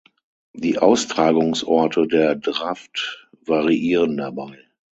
Die Austragungsorte der Draft variieren dabei.